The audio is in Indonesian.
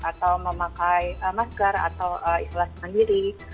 atau memakai masker atau isolasi mandiri